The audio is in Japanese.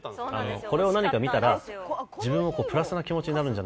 これを何か見たら自分もプラスな気持ちになるんじゃないかと。